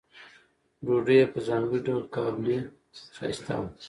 ډوډۍ یې په ځانګړي ډول قابلي ښایسته وه.